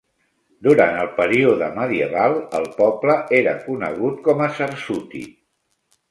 Durant el període medieval, el poble era conegut com a Sarsuti.